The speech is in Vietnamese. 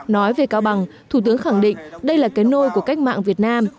nói về cao bằng thủ tướng khẳng định đây là cái nôi của cách mạng việt nam